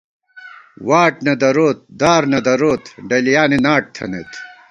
واٹ نہ دروت، دار نہ دروت، ڈلیانی ناٹ تھنَئیت